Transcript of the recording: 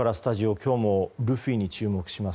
今日もルフィに注目します。